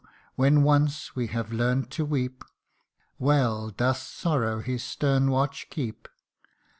when once we have learn 'd to weep, Well doth sorrow his stern watch keep.